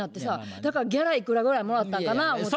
だからギャラいくらぐらいもらったんかな思うて。